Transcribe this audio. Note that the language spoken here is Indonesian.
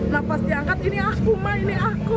nah pas diangkat ini aku ini aku